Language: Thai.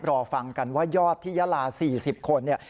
รอฟังกันว่ายอดที่ยาลา๔๐คนเนี่ย